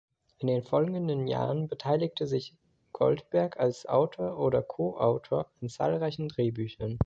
In den folgenden Jahren beteiligte sich Goldberg als Autor oder Co-Autor an zahlreichen Drehbüchern.